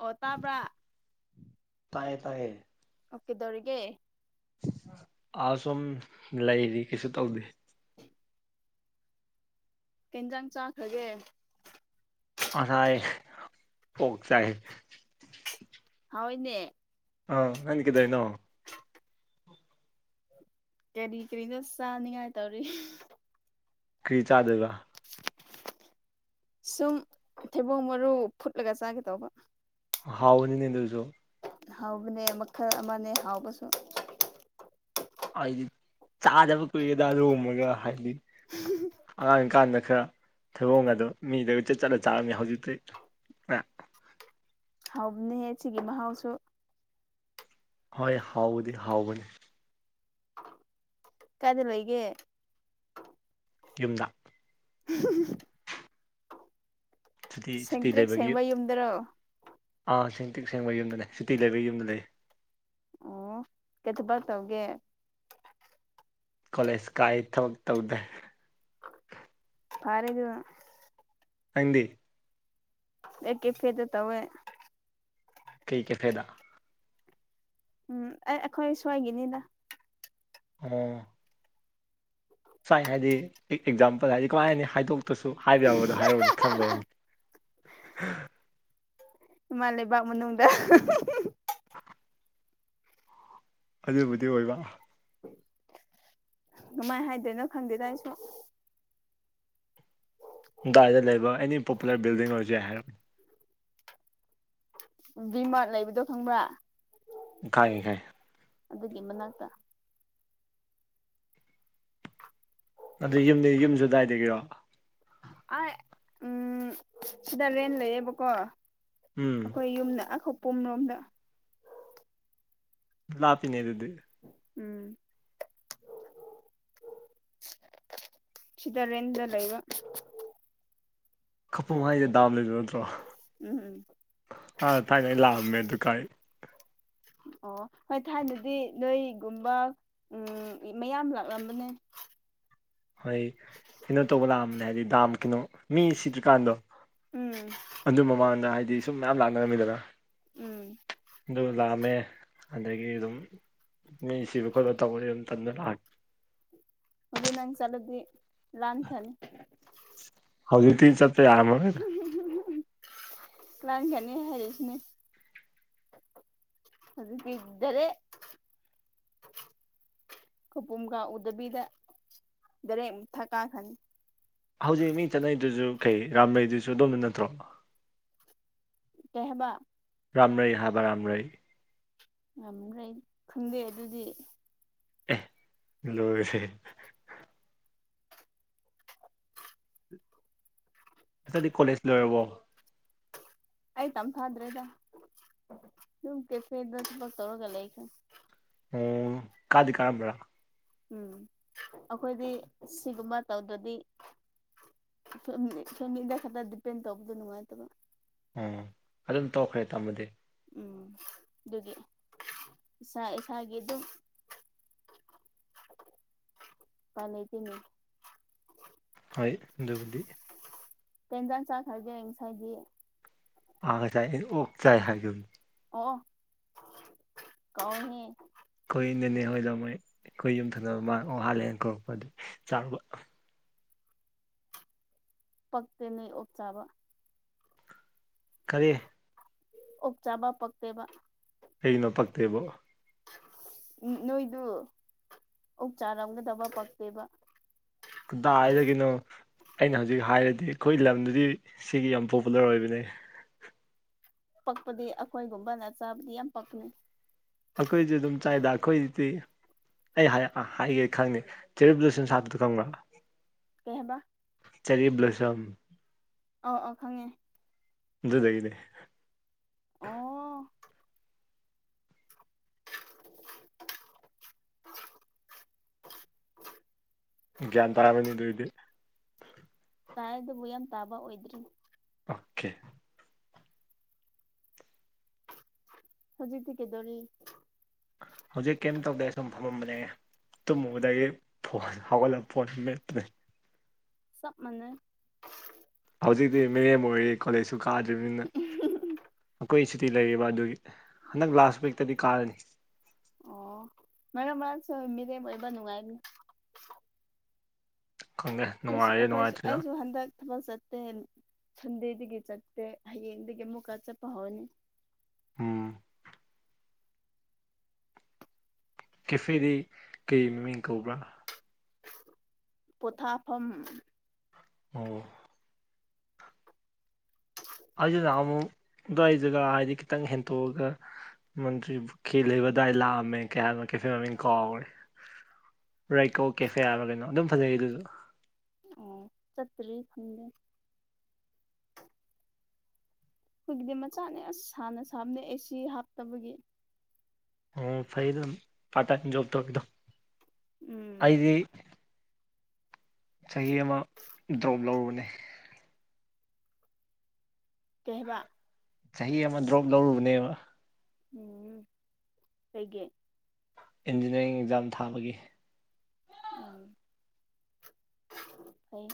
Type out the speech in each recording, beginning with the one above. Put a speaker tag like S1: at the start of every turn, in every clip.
S1: ꯑꯣ ꯇꯥꯕ꯭ꯔꯥ
S2: ꯇꯌꯦ ꯇꯌꯦ
S1: ꯑꯣꯀꯗꯧꯒ
S2: ꯑꯁꯨꯝ ꯂꯩꯔꯤ ꯀꯩꯁꯨ ꯇꯧꯗꯦ
S1: [unintelligible] ꯀꯦꯟꯖꯥꯡ ꯆꯥꯈ꯭ꯔꯒꯦ
S2: ꯑꯁꯥꯏꯥꯏ ꯑꯣꯠ ꯆꯥꯏ
S1: ꯍꯥꯎ ꯏꯅꯦ
S2: ꯑ ꯅꯅꯤ ꯀꯗꯩꯅꯣ
S1: ꯀꯔꯤ ꯀꯔꯤꯗꯣ ꯆꯥꯅꯤꯡꯉꯥꯏ ꯇꯧꯔꯤ
S2: ꯀ꯭ꯔꯤ ꯆꯥ ꯑꯗꯨꯒꯕ
S1: ꯁꯨꯝ ꯊꯩꯕꯣꯡ ꯃꯔꯨ ꯐꯨꯠꯂꯒ ꯆꯥꯒꯦ ꯇꯧꯕ
S2: ꯍꯥꯎꯅꯤ ꯅ ꯑꯗꯨꯁꯨꯣ
S1: ꯍꯥꯎꯕꯅꯦ ꯃꯈꯜ ꯑꯃꯅꯦ ꯍꯥꯎꯕꯁꯨ
S2: ꯍꯥꯏꯗꯤ ꯆꯥꯗꯕ ꯀꯨꯏꯔꯦꯗ ꯂꯣꯝꯃꯒ ꯍꯥꯏꯗꯤ
S1: [unintelligible]
S2: ꯑꯉꯥꯡꯀꯥꯟꯗ ꯈꯔ ꯊꯧꯑꯣꯡ ꯑꯗꯣ ꯃꯤꯗ ꯆꯠꯂ ꯆꯥꯔꯝꯃꯦ ꯍꯧꯖꯤꯛꯇꯤ ꯑꯦ
S1: ꯍꯥꯎꯅꯦꯍꯦ ꯁꯤꯒꯤ ꯃꯍꯥꯎꯁꯨ
S2: ꯍꯣꯏ ꯍꯥꯎꯕꯗꯤ ꯍꯥꯎꯕꯅꯤ
S1: ꯀꯗ ꯂꯩꯒꯦ
S2: ꯌꯨꯝꯗ ꯁꯨꯇꯤ ꯁꯨꯇꯤ
S1: ꯁꯦꯡꯛꯇ꯭ꯔꯤꯛ
S2: ꯂꯩꯕꯒꯤ
S1: ꯁꯦꯡꯕ ꯌꯨꯝꯗꯔꯣ
S2: ꯑꯥ ꯁꯦꯡ ꯇꯤꯛ ꯁꯦꯡꯕ ꯌꯨꯝꯗ ꯂꯩ ꯁꯤꯇꯤ ꯂꯩꯕꯒꯤ ꯌꯨꯝꯗ ꯂꯩ
S1: ꯑꯣ ꯀꯩ ꯇꯕꯥꯛ ꯇꯎꯦ
S2: ꯀꯣꯂꯦꯖ ꯀꯥꯏ ꯊꯕꯛ ꯇꯧꯗꯦ
S1: ꯄꯥꯔꯦꯗꯨ
S2: ꯍꯪꯗꯤ
S1: ꯑꯦ ꯀꯦꯐꯦꯗ ꯇꯧꯋꯦ
S2: ꯀꯩ ꯀꯦ ꯐꯥꯏꯗ
S1: ꯎꯝ ꯑꯩ ꯑꯩꯈꯣꯏ ꯁꯣꯏꯒꯤꯅꯤꯗ
S2: ꯑꯣ ꯁꯥꯏ ꯍꯥꯏꯗꯤ ꯑꯦꯛꯖꯥꯝꯄꯜ ꯍꯥꯏꯗꯤ ꯀꯃꯥꯏ ꯍꯥꯏꯅ ꯍꯥꯏꯗꯣꯛ ꯀꯁꯨ ꯍꯥꯏꯕ ꯌꯥꯕꯗꯣ ꯍꯥꯏꯔꯨꯅꯤ ꯈꯪꯕ ꯌꯥꯅꯤ
S1: ꯏꯃꯥ ꯂꯩꯕꯥꯛ ꯃꯅꯨꯡꯗ
S2: ꯑꯗꯨꯕꯨꯗꯤ ꯑꯣꯏꯕ
S1: ꯃꯥꯏ ꯍꯥꯏꯗꯣꯏꯅꯣ ꯈꯪꯗꯦ ꯇꯁꯨ
S2: ꯗꯥꯏꯗ ꯂꯩꯕ ꯑꯦꯅꯤ ꯄꯣꯄꯨꯂꯔ ꯕꯤꯜꯗꯤꯡ ꯑꯣꯏꯖꯛ ꯍꯥꯏꯔꯛꯅꯦ
S1: ꯕꯤꯃꯔ ꯂꯩꯕꯗꯣ ꯈꯪꯕ꯭ꯔꯥ
S2: ꯀꯥꯏꯦ ꯀꯥꯏꯦ
S1: ꯑꯗꯨꯒꯤ ꯃꯅꯥꯇ
S2: ꯑꯗꯨ ꯌꯨꯝꯗ ꯌꯨꯝꯁꯨ ꯑꯗꯨꯋꯥꯏꯗꯒꯤꯔꯣ
S1: ꯑ ꯎꯝ ꯁꯤꯗ ꯔꯦꯟꯠ ꯂꯩꯌꯦꯕꯀꯣ
S2: ꯎꯝ
S1: ꯑꯩꯈꯣꯏ ꯌꯨꯝꯗ ꯑꯈꯣ ꯄꯨꯡꯂꯣꯝꯗ
S2: ꯂꯥꯛꯄꯤꯅꯦ ꯑꯗꯨꯗꯤ
S1: ꯎꯝ ꯆꯤꯗꯔ ꯌꯦꯗ ꯂꯩ ꯏꯕ
S2: ꯀꯄ ꯍꯥꯏꯁꯦ ꯗꯥꯕ ꯂꯩꯕ ꯅꯠꯇ꯭ꯔꯣ
S1: ꯎꯝ ꯎꯝ
S2: ꯑꯥ ꯊꯥꯏꯅ ꯑꯩ ꯂꯥꯛꯑꯝꯃꯦ ꯑꯗꯨ ꯀꯥꯏ
S1: ꯑꯣ ꯍꯣꯏ ꯊꯥꯏꯅꯗꯤ ꯅꯣꯏꯒꯨꯝꯕ ꯎꯝ ꯃꯌꯥꯝ ꯂꯥꯛꯂꯝꯕꯅꯦ
S2: ꯍꯣꯏ ꯀꯩꯅꯣ ꯇꯧꯕ ꯂꯥꯛꯑꯝꯕꯅꯦ ꯍꯥꯏꯗꯤ ꯗꯥꯝ ꯀꯩꯅꯣ ꯃꯤ ꯁꯤꯠꯇ꯭ꯔꯤꯀꯥꯟꯗꯣ
S1: ꯎꯝ
S2: ꯑꯗꯨ ꯃꯃꯥꯡꯗ ꯍꯥꯏꯗꯤ ꯁꯨꯝ ꯃꯌꯥꯝ ꯂꯥꯛꯅꯔꯝꯃꯤꯗꯅ
S1: ꯎꯝ
S2: ꯑꯗꯨ ꯂꯥꯛꯑꯝꯃꯦ ꯑꯗꯒꯤ ꯑꯗꯨꯝ ꯃꯤ ꯁꯤꯕ ꯈꯣꯠꯄ ꯇꯧꯕꯅꯤ ꯑꯗꯨꯝ ꯇꯟꯗꯨꯅ ꯂꯥꯛꯑꯦ
S1: ꯍꯧꯖꯤ ꯅꯪ ꯆꯂꯗ ꯂꯥꯟ ꯊꯅꯦ
S2: ꯍꯧꯖꯤ ꯇꯤꯟ ꯆ ꯑꯔꯝ ꯑꯣꯏꯒ
S1: ꯂꯥꯡꯒꯥꯅꯤ ꯍꯥꯏꯁꯤꯅꯦ ꯑꯗꯨꯗꯔꯦ ꯀꯄꯨꯝ ꯀꯥ ꯎꯗꯕꯤꯗ ꯗꯔꯦ ꯑꯃꯨ ꯊꯛꯀꯥ ꯈꯅꯤ
S2: ꯍꯧꯖꯤꯛ ꯃꯤ ꯆꯠꯅꯩꯗꯨꯁꯨ ꯀꯩ ꯔꯥꯝꯕꯩꯗꯨꯁꯨ ꯑꯗꯝꯅ ꯅꯠꯇ꯭ꯔꯣ
S1: ꯀꯩ ꯍꯏꯕꯥ
S2: ꯔꯝ꯭ꯔꯩ ꯍꯥꯥꯕ ꯔꯝ꯭ꯔꯩ
S1: ꯉꯝꯗ꯭ꯔꯦ ꯈꯪꯗꯦ ꯑꯗꯨꯗꯤ
S2: ꯂꯁꯦ ꯉꯗꯤ ꯀꯣꯂꯦꯖ ꯂꯣꯏꯔꯕꯣ
S1: ꯑꯩ ꯇꯝ ꯐꯗ꯭ꯔꯦꯗ ꯀꯦꯦꯗ ꯆꯄ ꯇꯧꯔꯒꯂ ꯑꯩ
S2: ꯑꯣ ꯀꯥꯗꯤ ꯀꯥꯔꯝꯕ꯭ꯔ
S1: ꯎꯝ ꯑꯩꯈꯣꯏꯗꯤ ꯁꯤꯒꯨꯝꯕ ꯇꯧꯗ꯭ꯔꯗꯤ ꯁ ꯁꯗ ꯈꯔ ꯗꯕꯦꯟ ꯇꯕꯨꯗ ꯅꯨꯡꯉꯥꯏ ꯇꯕꯣ
S2: ꯑꯣ ꯑꯗꯨꯝ ꯇꯧꯈ꯭ꯔꯦ ꯇꯥꯝꯃꯣꯗꯤ
S1: ꯎꯝ ꯑꯗꯨꯗꯤ ꯏꯁꯥ ꯏꯁꯥꯒꯤ ꯗꯨꯝ ꯀ ꯂꯩꯦꯗꯤꯅꯤ
S2: ꯍꯣꯏ ꯑꯗꯨꯕꯨꯗꯤ
S1: ꯇꯦꯟꯖꯥꯟ ꯁꯥꯈ ꯍꯥꯏꯖꯦ ꯍꯁ ꯍꯥꯏꯗꯤ
S2: ꯑ ꯉꯁꯥꯏ ꯑꯣꯛ ꯆꯥꯏ ꯍꯥꯏꯒꯨꯝ
S1: ꯑꯣ ꯀꯣꯅꯤ
S2: ꯑꯩꯈꯣꯏ ꯅꯦꯅꯦ ꯍꯣꯏꯗ ꯃꯣꯏ ꯑꯩꯈꯣꯏ ꯌꯨꯝꯊꯪꯅꯕ ꯃꯥꯥꯡ ꯍꯥꯜꯂꯦꯅ ꯀꯧꯔꯛꯄ ꯑꯗꯨ ꯆꯥꯎꯕ
S1: ꯄꯛꯛꯇꯅꯦ ꯑꯣꯞꯆꯥꯥꯕ
S2: ꯀꯔꯤ
S1: ꯑꯣꯛ ꯆꯥꯕ ꯄꯛꯇꯦꯕ
S2: ꯀꯩꯅꯣ ꯄꯛꯇꯦꯕꯣ
S1: ꯎ ꯅꯣꯏꯗꯨ ꯑꯣꯛ ꯆꯥꯔꯝꯒꯗꯕ ꯄꯛꯇꯦꯕ
S2: ꯀꯗꯥꯏꯗꯒꯤꯅꯣ ꯑꯩꯅ ꯍꯧꯖꯤꯛ ꯍꯥꯏꯔꯗꯤ ꯑꯩꯈꯣꯏ ꯂꯝꯗꯨꯗꯤ ꯁꯤꯒꯤ ꯌꯥꯝ ꯄꯣꯄꯨꯂꯔ ꯑꯣꯏꯕꯅꯦ
S1: ꯄꯛꯄꯗꯤ ꯑꯩꯈꯣꯏꯒꯨꯝꯕꯅ ꯆꯥꯕꯗꯤ ꯌꯥꯝ ꯄꯛꯅꯩ
S2: ꯑꯈꯣꯏꯁꯨ ꯗꯨꯝ ꯆꯥꯏꯗ ꯑꯈꯣꯏꯗꯤ ꯑꯩ ꯍꯥꯏ ꯍꯥꯏꯒꯦ ꯈꯪꯅꯤ ꯆꯦꯔꯤ ꯕ꯭ꯂꯨꯁꯨꯝ ꯁꯥꯠꯄꯗꯣ ꯈꯪꯕ꯭ꯔꯥ
S1: ꯀꯩ ꯍꯥꯏꯕ
S2: ꯆꯦꯔꯤ ꯕ꯭ꯂꯣꯁꯝ
S1: ꯑ ꯑ ꯈꯪꯉꯦ
S2: ꯑꯗꯨꯗꯒꯤꯅꯦ
S1: ꯑꯣ [inaudible]
S2: ꯒ꯭ꯌꯥꯟ ꯇꯥꯔꯥꯃꯅꯤ ꯑꯗꯨ ꯑꯣꯏꯗꯤ
S1: ꯇꯥꯏ ꯑꯗꯨꯕꯨ ꯌꯥꯝ ꯇꯥꯕ ꯑꯣꯏꯗ꯭ꯔꯤ
S2: ꯑꯣꯀꯦ
S1: ꯍꯧꯖꯤꯛꯇꯤ ꯀꯩꯗꯧꯔꯤ
S2: ꯍꯧꯖꯤꯛ ꯀꯩꯝ ꯇꯧꯗꯦ ꯁꯨꯝ ꯐꯝꯃꯝꯕꯅꯦ ꯇꯨꯝꯃꯨꯕꯗꯒꯤ ꯐꯣꯟ ꯍꯧꯒꯠꯂꯕ ꯐꯣꯟ ꯃꯦꯠꯄꯅꯦ
S1: ꯆꯞ ꯃꯥꯟꯅꯩ
S2: ꯍꯧꯖꯤꯛꯇꯤ ꯃꯤꯔꯦꯝ ꯑꯣꯏꯔꯤ ꯀꯣꯂꯦꯖꯁꯨ ꯀꯥꯗ꯭ꯔꯤꯕꯅꯤꯅ ꯑꯩꯈꯣꯏ ꯁꯨ ꯇꯤ ꯂꯩꯔꯤꯕ ꯑꯗꯨꯒꯤ ꯍꯟꯗꯛ ꯂꯥꯁ ꯋꯤꯛꯇꯗꯤ ꯀꯥꯔꯅꯤ
S1: ꯑꯣ ꯃꯔꯛ ꯃꯔꯛꯁꯨ ꯃꯤꯔꯦꯝ ꯑꯣꯏꯕ ꯅꯨꯡꯉꯥꯏꯝꯅꯤ
S2: ꯈꯪꯗꯦ
S1: ꯑꯩꯈꯣꯏꯁꯨ
S2: ꯅꯨꯡꯉꯥꯏꯔꯦ
S1: ꯑꯩꯈꯣꯏꯁꯨ
S2: ꯅꯨꯡꯉꯥꯏꯇ꯭ꯔꯤꯔ
S1: ꯑꯩꯁꯨ ꯍꯟꯗꯛ ꯊꯕꯛ ꯆꯠꯇꯦ ꯁꯟꯗꯦꯗꯒꯤ ꯆꯠꯇꯦ ꯍꯌꯦꯡꯗꯒꯤ ꯑꯃꯨꯛꯀ ꯆꯠꯄ ꯍꯧꯔꯅꯤ
S2: ꯎꯝ ꯀꯦꯐꯦꯗꯤ ꯀꯩ ꯃꯃꯤꯡ ꯀꯧꯕ꯭ꯔꯥ
S1: ꯄꫭꯊꯥꯐꯝ
S2: ꯑꯣ ꯑꯩꯁꯨ ꯅꯥꯍꯟꯃꯨꯛ ꯑꯗꯨꯋꯥꯏ ꯖꯒꯥ ꯍꯥꯏꯗꯤ ꯈꯤꯇꯪ ꯍꯦꯟꯇꯣꯛꯑꯒ ꯃꯟꯇꯔꯤꯄꯨꯈꯤ ꯂꯩꯕꯥ ꯑꯗꯥꯏ ꯂꯥꯀꯝꯃꯦ ꯀꯩꯍꯥꯏꯕ ꯀꯦꯐꯦ ꯃꯃꯤꯡ ꯀꯥꯎꯔꯦ ꯔꯩꯀꯣ ꯀꯦꯐꯦ ꯍꯥꯏꯕ꯭ꯔꯥ ꯀꯩꯅꯣ ꯑꯗꯨꯝ ꯐꯖꯩ ꯑꯗꯨꯁꯨ
S1: ꯑꯣ ꯆꯠꯇ꯭ꯔꯤ ꯈꯪꯗꯦ ꯑꯩꯈꯣꯏꯒꯤꯗꯤ ꯃꯆꯥꯅꯦ ꯑꯁ ꯁꯥꯟꯅ ꯁꯥꯕꯅꯦ ꯑꯦꯁꯤ ꯍꯥꯞꯇꯕꯒꯤ
S2: ꯑꯣ ꯐꯩꯗ ꯗꯨꯝ ꯄꯥꯔꯠ ꯇꯥꯏꯝ ꯖꯣꯕ ꯇꯧꯔꯤꯗꯣ
S1: ꯎꯝ
S2: ꯑꯩꯗꯤ ꯆꯍꯤ ꯑꯃ ꯗ꯭ꯔꯣꯞ ꯂꯧꯔꯨꯕꯅꯦ
S1: ꯀꯩ ꯍꯥꯏꯕ
S2: ꯆꯍꯤ ꯑꯃ ꯗ꯭ꯔꯣꯞ ꯂꯧꯔꯨꯕꯅꯦꯕ
S1: ꯎꯝ ꯀꯩꯒꯤ
S2: ꯏꯟꯖꯤꯅꯤꯌ꯭ꯔꯤꯡ ꯑꯦꯛꯖꯥꯝ ꯊꯥꯕꯒꯤ
S1: ꯑꯣ ꯐꯩ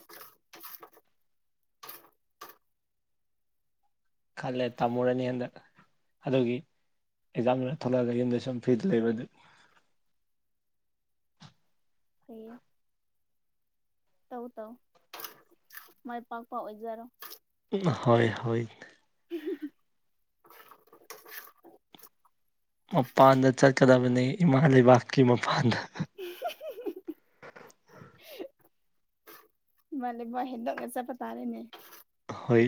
S2: ꯈꯜꯂꯦ ꯇꯝꯃꯨꯔꯅꯤ ꯍꯟꯗꯛ ꯑꯗꯨꯒꯤ ꯑꯦꯛꯖꯥꯝ ꯂꯣꯏꯔ ꯊꯣꯛꯂꯛꯑꯒ ꯌꯨꯝꯗ ꯁꯨꯝ ꯐ꯭ꯔꯤꯗ ꯂꯩꯕ ꯑꯗꯨꯒꯤ
S1: ꯐꯩꯌꯦ ꯇꯧ ꯇꯧ ꯃꯥꯏ ꯄꯥꯛꯄ ꯑꯣꯏꯖꯔꯣ
S2: ꯍꯣꯏ ꯍꯣꯏ
S1: ꯎꯝ ꯍꯨꯝ ꯍꯨꯝ
S2: ꯃꯄꯥꯟꯗ ꯆꯠꯀꯗꯕꯅꯦ ꯏꯃꯥ ꯂꯩꯕꯥꯛꯀꯤ ꯃꯄꯥꯟꯗ
S1: [unintelligible] ꯃꯅꯦ ꯕꯥꯏ ꯍꯟꯗꯛꯅ ꯆꯠꯄꯇꯔꯦꯅꯦ
S2: ꯍꯣꯏ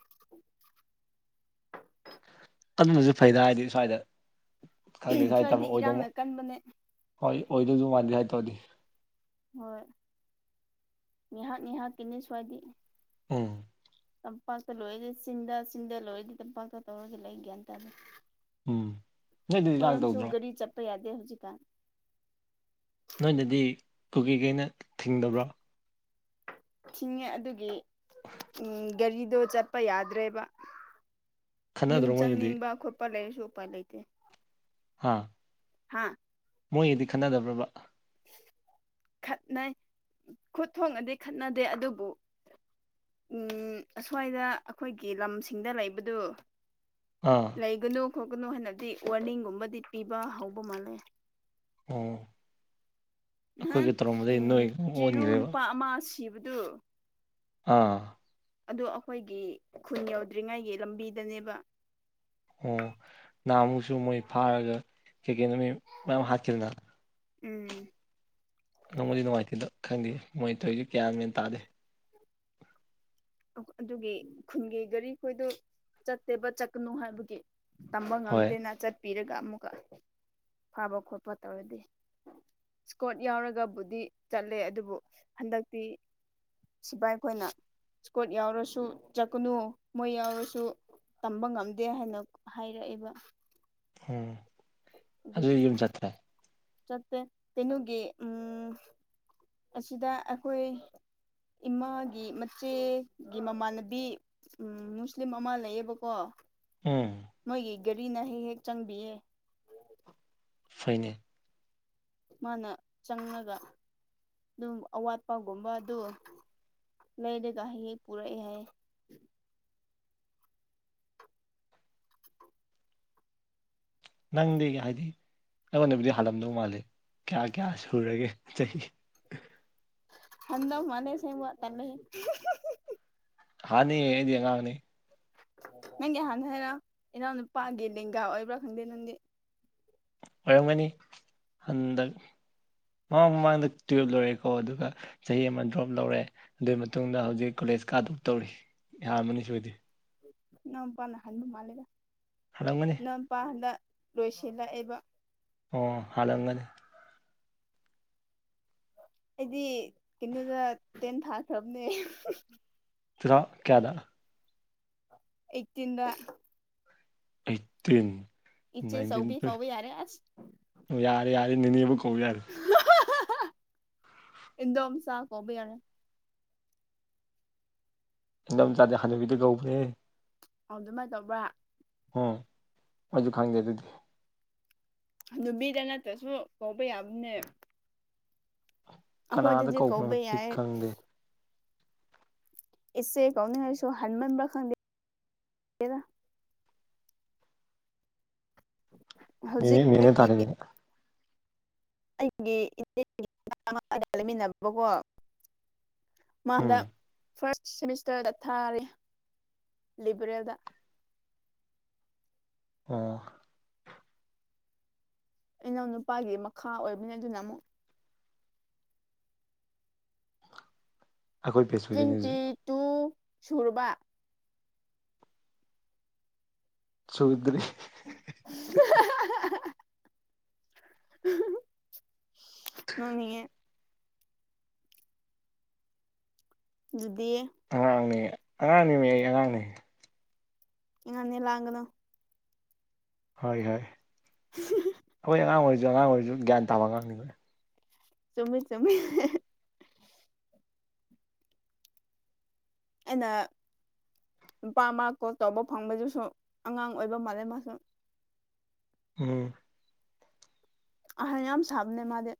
S1: [inaudible]
S2: ꯑꯃꯁꯨ ꯐꯩꯗ ꯍꯥꯏꯗꯤ ꯁ꯭ꯋꯥꯏꯗ ꯈꯪꯗꯦ ꯁ꯭ꯋꯥꯏꯗ
S1: ꯁ꯭ꯋꯥꯏꯗꯤ
S2: ꯇꯝꯃ
S1: ꯏꯔꯥꯡꯅ
S2: ꯑꯣꯏꯗꯧꯃꯥꯟ
S1: ꯀꯟꯕꯅꯦ
S2: ꯍꯣꯏ ꯑꯣꯏꯗꯣꯏꯁꯨ ꯃꯥꯟꯗꯦ ꯁꯋꯥꯏ ꯇꯧꯔꯗꯤ
S1: ꯍꯣꯏ ꯉꯥꯏꯍꯥꯛ ꯉꯍꯥꯛꯀꯤꯅꯤ ꯁ꯭ꯋꯥꯏꯗꯤ
S2: ꯎꯝ
S1: ꯇꯝꯄꯥꯛꯇ ꯂꯣꯏꯔꯗꯤ ꯆꯤꯟꯗ ꯆꯤꯟꯗ ꯂꯣꯏꯔꯗꯤ ꯇꯝꯄꯥꯛꯇ ꯇꯧꯔꯒ ꯂꯩ ꯒꯦꯟꯇꯥꯗ
S2: ꯎꯝ ꯅꯣꯏꯗꯗꯤ ꯀꯥꯡ
S1: ꯑꯣꯈꯣꯏꯔꯣꯝꯁꯨ
S2: ꯇꯧꯗ꯭ꯔꯣ
S1: ꯒꯥꯔꯤ ꯆꯠꯄ ꯌꯥꯗꯦ ꯍꯧꯖꯤꯛꯀꯥꯟ
S2: ꯅꯣꯏꯗꯗꯤ ꯀꯨꯀꯤ ꯀꯩꯅ ꯊꯤꯡꯗꯕ꯭ꯔꯥ
S1: ꯊꯤꯡꯉꯦ ꯑꯗꯨꯒꯤ ꯎꯝ ꯒꯥꯔꯤꯗꯣ ꯆꯠꯄ ꯌꯥꯗ꯭ꯔꯦꯕ ꯌꯨꯝ
S2: ꯈꯠꯅꯗ꯭ꯔꯣ ꯃꯣꯏꯒꯤꯗꯤ
S1: ꯆꯪꯅꯤꯡꯕ ꯈꯣꯠꯄ ꯂꯩꯔꯁꯨ ꯎꯄꯥꯏ ꯂꯩꯇꯦ
S2: ꯍꯥꯥ
S1: ꯍꯥꯥ
S2: ꯃꯣꯏꯒꯗꯤ ꯈꯟꯅꯗꯕ꯭ꯔꯕ
S1: ꯈꯠꯅꯩ ꯈꯨꯠ ꯊꯣꯡꯅꯗꯤ ꯈꯠꯅꯗꯦ ꯑꯗꯨꯕꯨ ꯎꯝ ꯑꯁ꯭ꯋꯥꯏꯗ ꯑꯩꯈꯣꯏꯒꯤ ꯂꯝꯁꯤꯡꯗ ꯂꯩꯕꯗꯨ
S2: ꯑꯥ
S1: ꯂꯩꯒꯅꯨ ꯈꯣꯠꯀꯅꯨ ꯍꯥꯏꯅꯗꯤ ꯋꯥꯔꯅꯤꯡꯒꯨꯝꯕꯗꯤ ꯄꯤꯕ ꯍꯧꯕ ꯃꯥꯜꯂꯦ
S2: ꯑꯣ
S1: ꯅꯍꯥꯟ
S2: ꯑꯩꯈꯣꯏꯒ ꯇꯧꯔꯝꯕꯗꯩ ꯅꯣꯏ
S1: ꯆꯤꯔꯨ
S2: ꯑꯣꯟꯈ꯭ꯔꯦꯕ
S1: ꯅꯨꯄꯥ ꯑꯃ ꯁꯤꯕꯗꯨ
S2: ꯑꯥ
S1: ꯑꯗꯨ ꯑꯩꯈꯣꯏꯒꯤ ꯈꯨꯟ ꯌꯧꯗ꯭ꯔꯤꯉꯩꯒꯤ ꯂꯝꯕꯤꯗꯅꯦꯕ
S2: ꯑꯣ ꯅꯍꯟꯃꯨꯛꯁꯨ ꯃꯣꯏ ꯐꯥꯔꯒ ꯁꯦꯀꯦꯟꯔꯤ ꯃꯌꯥꯝ ꯍꯥꯠꯈꯤꯗꯅ
S1: ꯎꯝ
S2: ꯅꯨꯡꯕꯨꯗꯤ ꯅꯨꯡꯉꯥꯏꯇꯦꯗ ꯈꯪꯗꯦ ꯃꯣꯏꯅ ꯇꯧꯏꯁꯤ ꯒ꯭ꯌꯥꯟ ꯃꯦꯟ ꯇꯥꯗꯦ
S1: ꯑꯗꯨꯒꯤ ꯈꯨꯟꯒꯤ ꯒꯥꯔꯤꯈꯣꯏꯗꯨ ꯆꯠꯇꯦꯕ ꯆꯠꯀꯅꯨ ꯍꯥꯏꯕꯒꯤ ꯇꯝꯕ
S2: ꯍꯣꯏ
S1: ꯉꯝꯗꯦꯅ ꯆꯠꯄꯤꯔꯒ ꯑꯃꯨꯛꯀ ꯐꯥꯕ ꯈꯣꯠꯄ ꯇꯧꯔꯗꯤ ꯏꯁꯀꯣꯔꯠ ꯌꯥꯎꯔꯒꯕꯨꯗꯤ ꯆꯠꯂꯦ ꯑꯗꯨꯕꯨ ꯍꯟꯗꯛꯇꯤ ꯁꯤꯐꯥꯏ ꯈꯣꯏꯅ ꯏꯁꯀꯣꯠ ꯌꯥꯎꯔꯁꯨ ꯆꯠꯀꯅꯨ ꯃꯣꯏ ꯌꯥꯎꯔꯁꯨ ꯇꯝꯕ ꯉꯝꯗꯦ ꯍꯥꯏꯅ ꯍꯥꯏꯔꯛꯑꯦꯕ
S2: ꯎꯝ
S1: ꯑꯗꯨꯒꯤ
S2: ꯑꯗꯨꯗꯤ ꯌꯨꯝ ꯆꯠꯇ꯭ꯔꯦ
S1: ꯆꯠꯇꯦ ꯀꯩꯅꯣꯒꯤ ꯎꯝ ꯑꯁꯤꯗ ꯑꯩꯈꯣꯏ ꯏꯃꯥꯒꯤ ꯃꯆꯦꯒꯤ ꯃꯃꯥꯟꯅꯕꯤ ꯎꯝ ꯃꯨꯁꯂꯤꯝ ꯑꯃ ꯂꯩꯌꯦꯕꯀꯣ
S2: ꯎꯝ
S1: ꯃꯣꯏꯒꯤ ꯒꯔꯤꯅ ꯍꯦꯛ ꯍꯦꯛ ꯆꯪꯕꯤꯌꯦ
S2: ꯐꯩꯅꯦ
S1: ꯃꯥꯅ ꯆꯪꯉꯒ ꯑꯗꯨꯝ ꯑꯋꯥꯠꯄꯒꯨꯝꯕ ꯑꯗꯨ ꯂꯩꯔꯒꯥ ꯍꯦꯛ ꯍꯦꯛ ꯄꯨꯔꯛꯑ ꯍꯥꯏꯌꯦ
S2: ꯅꯪꯗꯤ ꯍꯥꯏꯗꯤ ꯑꯩꯉꯣꯟꯗꯕꯨꯗꯤ ꯍꯥꯜꯂꯝꯗꯧ ꯃꯥꯜꯂꯤ ꯀꯌꯥ ꯀꯌꯥ ꯁꯨꯔꯒꯦ ꯆꯍꯤ
S1: ꯍꯟꯗꯧ ꯃꯟꯂꯦ ꯁꯦꯡꯕ ꯇꯟꯂꯦ
S2: ꯍꯥꯟꯅꯤ ꯑꯩꯗꯤ ꯑꯉꯥꯡꯅꯤ
S1: ꯅꯪꯗꯤ ꯍꯥꯟꯅ ꯍꯥꯏꯔꯛꯑꯣ ꯏꯅꯥꯎ ꯅꯨꯄꯥꯒꯤ ꯂꯦꯡꯒꯥ ꯑꯣꯏꯕ꯭ꯔꯥ ꯈꯪꯗꯦ ꯅꯪꯗꯤ
S2: ꯑꯣꯏꯔꯝꯒꯅꯤ ꯍꯟꯗꯛ ꯃꯃꯥꯡ ꯃꯃꯥꯡꯗ ꯇꯨꯌꯦꯜꯞ ꯂꯣꯏꯔꯦꯀꯣ ꯑꯗꯨꯒ ꯆꯍꯤ ꯑꯃ ꯗ꯭ꯔꯣꯞ ꯂꯧꯔꯦ ꯑꯗꯨꯒꯤ ꯃꯇꯨꯡꯗ ꯍꯧꯖꯤꯛ ꯀꯣꯂꯦꯖ ꯀꯥꯗꯣꯛ ꯇꯧꯔꯤ ꯌꯔꯝꯃꯅꯤ ꯁꯤꯑꯣꯏꯗꯤ
S1: ꯏꯅꯥꯎꯄꯅꯥ ꯍꯟꯕ ꯃꯂꯦꯗꯥ
S2: ꯍꯂꯝꯒꯅꯤ
S1: ꯢꯅꯥꯎꯄꯥ ꯍꯟꯗꯛ ꯂꯣꯏꯁꯤꯜꯂꯛꯑꯦꯕ
S2: ꯑꯣ ꯍꯟꯂꯝꯒꯅꯤ꯫
S1: ꯑꯩꯗꯤ ꯀꯩꯅꯣꯗ ꯇꯦꯟ ꯊꯥꯈ꯭ꯔꯝꯅꯦ꯫
S2: ꯇꯨꯊꯥꯎꯖꯟ ꯀꯌꯥꯗ꯫
S1: ꯏꯠꯇꯤꯟꯗ꯫
S2: ꯑꯩꯠꯇꯤꯟ
S1: ꯏꯆꯦ
S2: ꯅꯥꯏꯟꯇꯤꯟ
S1: ꯆꯧꯕꯤ ꯀꯧꯕ ꯌꯥꯔꯦ ꯑꯁ
S2: ꯌꯥꯔꯦ ꯌꯥꯔꯦ ꯅꯤꯅꯦꯕꯨ ꯀꯧ ꯌꯥꯔꯦ꯫
S1: ꯏꯟꯗꯣꯝ ꯆꯥ ꯀꯧꯕ ꯌꯥꯏ꯫
S2: ꯏꯗꯣꯝꯆꯥꯗꯤ ꯍꯅꯨꯕꯤꯗ ꯀꯧꯈ꯭ꯔꯦꯍꯦ꯫
S1: ꯑꯗꯨꯃꯥꯏꯅ ꯇꯧꯕ꯭ꯔꯥ꯫
S2: ꯎꯝ ꯑꯩꯁꯨ ꯈꯪꯗꯦ ꯑꯗꯨꯗꯤ꯫
S1: ꯅꯨꯄꯤꯗ ꯅꯠꯇ꯭ꯔꯁꯨ ꯀꯧꯕ ꯌꯥꯕꯅꯦ꯫
S2: ꯀꯅꯥꯗ
S1: ꯑꯩꯈꯣꯏꯗꯗꯤ ꯀꯧꯕ
S2: ꯀꯧꯕꯅꯣꯗꯤ
S1: ꯌꯥꯏꯌꯦ꯫
S2: ꯈꯪꯗꯦ
S1: ꯏꯆꯦ ꯀꯧꯅꯤꯉꯥꯏꯁꯨ ꯍꯟꯃꯟꯕ꯭ꯔꯥ ꯈꯪꯗꯦꯗ꯫ ꯍꯧꯖꯤꯛ
S2: ꯅꯤꯅꯦ ꯅꯤꯅꯦ
S1: ꯑꯩꯒꯤ
S2: ꯇꯥꯔꯦꯑꯗꯨꯗꯤ꯫
S1: ꯑꯩꯒꯤ [inaudible] ꯂꯩꯃꯤꯟꯅꯕꯀꯣ꯫
S2: ꯎꯝ
S1: ꯃꯥꯍꯟꯗꯛ ꯐꯥꯔꯁ꯭ꯠ ꯁꯦꯃꯤꯁꯇꯔꯗ ꯊꯥꯔꯤ ꯂꯤꯕꯔꯦꯜꯗ꯫
S2: ꯑꯣ꯫
S1: ꯏꯅꯥꯎ ꯅꯨꯄꯥꯒꯤ ꯃꯈꯥ ꯑꯣꯏꯕꯅꯤ ꯑꯗꯨꯅ ꯑꯃꯨꯛ꯫
S2: ꯑꯩꯈꯣꯏ ꯕꯦꯁ ꯑꯣꯏꯗꯣꯏꯅꯦ
S1: ꯇ꯭ꯋꯦꯟꯇꯤ
S2: ꯍꯧꯖꯤꯛ
S1: ꯇꯨ ꯁꯨꯔꯕ꯫
S2: ꯁꯨꯗꯔꯤ꯫
S1: [unintelligible] ꯅꯣꯛ ꯅꯤꯡꯉꯦ꯫ ꯗꯨꯗꯤ꯫
S2: ꯑꯉꯥꯡꯅꯦ ꯑꯉꯥꯡꯅꯤ ꯃꯤ ꯑꯩ ꯑꯉꯥꯡꯅꯦ꯫
S1: ꯑꯉꯥꯡꯅꯦ ꯂꯥꯡꯒꯅꯣ꯫
S2: ꯍꯣꯏ ꯍꯣꯏ ꯍꯣꯏ ꯑꯉꯥꯡ ꯑꯣꯏꯔꯁꯨ ꯑꯉꯥꯡ ꯑꯣꯏꯔꯁꯨ ꯒ꯭ꯌꯥꯟ ꯇꯥꯕ ꯑꯉꯥꯡꯅꯤ ꯑꯈꯣꯏ꯫
S1: ꯆꯨꯝꯃꯤ ꯆꯨꯝꯃꯤ꯫ ꯑꯩꯅ ꯅꯨꯄꯥ ꯑꯃ ꯀꯣꯜ ꯇꯧꯕ ꯐꯪꯕꯗꯨꯁꯨ ꯑꯉꯥꯡ ꯑꯣꯏꯕ ꯃꯥꯜꯂꯦ ꯃꯥꯁꯨ꯫
S2: ꯎꯝ꯫
S1: ꯑꯍꯜ ꯌꯥꯝ ꯁꯥꯕꯅꯦ ꯃꯥꯗꯤ꯫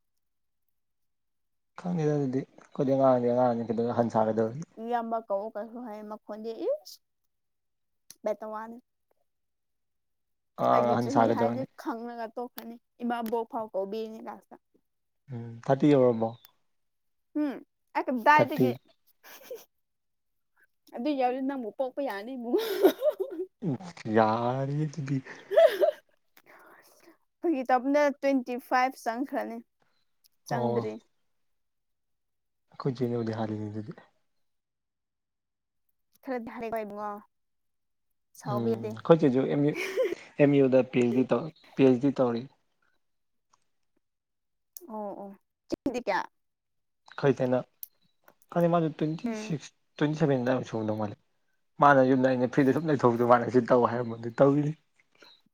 S2: ꯈꯪꯗꯦꯗ ꯑꯗꯨꯗꯤ ꯑꯩꯈꯣꯏꯗꯤ ꯑꯉꯥꯡꯗꯤ ꯑꯉꯥꯡꯅꯤ ꯀꯩꯗꯧꯕꯩ ꯑꯍꯟ ꯁꯥꯒꯗꯧ
S1: ꯏꯌꯥꯝꯕ ꯀꯧ ꯒꯥꯏꯁꯨ ꯍꯥꯏ ꯈꯣꯟꯗꯤ ꯎꯁ ꯄꯦꯇꯥ ꯋꯥꯅꯤ꯫
S2: ꯑꯉꯥꯡ
S1: ꯑꯩꯒꯤ
S2: ꯑꯍꯟ
S1: ꯆꯍꯤ ꯍꯥꯏꯗꯤ
S2: ꯁꯥꯒꯗꯧꯔꯅꯤ
S1: ꯈꯪꯉꯒ ꯇꯣꯛꯀꯅꯤ ꯏꯃꯥ ꯕꯣꯛ ꯐꯥꯎ ꯀꯧꯕꯤꯅꯤ ꯂꯥꯁꯇ꯫
S2: ꯎꯝ ꯊꯥꯔꯇꯤ ꯌꯎꯔꯕꯣ꯫
S1: ꯍꯨꯝ ꯑꯦ
S2: ꯊꯥꯔꯇꯤ
S1: ꯀꯥꯗꯥꯏꯗꯒꯤ꯫ ꯑꯗꯨ ꯌꯧꯎꯔꯗꯤ ꯅꯪꯕꯨ ꯄꯣꯛꯄ ꯌꯥꯅꯤ ꯏꯕꯨꯡꯉꯣ꯫
S2: ꯌꯥꯔꯦ ꯑꯗꯨꯗꯤ꯫
S1: ꯐꯥꯒꯤ ꯇꯧꯕꯅꯦ ꯇ꯭ꯋꯦꯟꯇꯤ ꯐꯥꯏꯚ ꯆꯪꯈ꯭ꯔꯅꯤ꯫
S2: ꯑꯣ
S1: ꯆꯪꯗ꯭ꯔꯤ꯫
S2: ꯑꯩꯈꯣꯏ ꯆꯦꯅꯕꯨꯗꯤ ꯍꯜꯂꯤꯅꯦ ꯑꯗꯨꯗꯤ꯫
S1: ꯈꯔꯗꯤ ꯍꯜꯂꯤꯀꯣ ꯏꯕꯨꯡꯉꯣ ꯁꯥꯎꯕ
S2: ꯎꯝ
S1: ꯌꯥꯗꯦ꯫
S2: ꯑꯩꯈꯣꯏ ꯆꯦꯁꯨ ꯑꯦꯝ ꯌꯨ ꯑꯦꯝ ꯌꯨꯗ ꯄꯤ ꯑꯩꯁ ꯗꯤ ꯇꯧ ꯄꯤ ꯑꯩꯁ ꯗꯤ ꯇꯧꯔꯤ꯫
S1: ꯑꯣ ꯑꯣ ꯆꯍꯤꯗꯤ ꯀꯌꯥ꯫
S2: ꯈꯩ ꯀꯩꯅꯣ ꯈꯪꯗꯦ ꯃꯁꯤ ꯇ꯭ꯋꯦꯟꯇꯤ
S1: ꯎꯝ
S2: ꯁꯤꯛꯁ꯫ ꯇ꯭ꯋꯦꯟꯇꯤ ꯁꯕꯦꯟꯗ ꯑꯗꯥꯏ ꯕꯥꯎ ꯁꯨꯔꯝꯗꯧ ꯃꯥꯜꯂꯦ ꯃꯥꯅ ꯌꯨꯝꯗ ꯑꯩꯅ ꯐ꯭ꯔꯤꯗ ꯁꯨꯝ ꯂꯩꯊꯣꯛꯈꯤꯕꯗꯣ ꯃꯥꯅ ꯁꯤ ꯇꯧ ꯍꯥꯏꯔꯝꯕꯗꯨꯗꯤ ꯇꯧꯔꯤꯅꯤ꯫